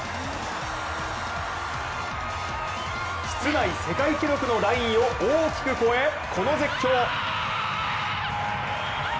室内世界記録のラインを大きく超え、この絶叫。